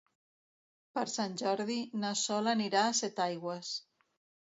Per Sant Jordi na Sol anirà a Setaigües.